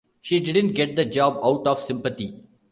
She didn't get the job out of sympathy.